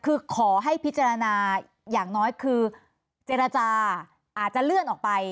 คือขอให้พิจารณาอย่างน้อยคือเจรจาอาจจะเลื่อนออกไป